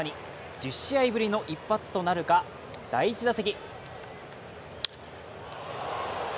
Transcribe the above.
１０試合ぶりの一発となるか、第１打席。